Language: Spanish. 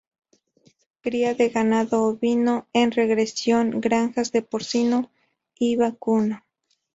Cría de ganado ovino en regresión, granjas de porcino y vacuno.